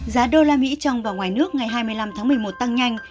giá đô la mỹ trồng vào ngoài nước ngày hai mươi năm tháng một mươi một tăng nhanh